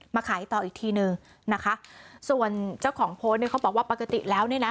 ขายต่ออีกทีนึงนะคะส่วนเจ้าของโพสต์เนี่ยเขาบอกว่าปกติแล้วเนี่ยนะ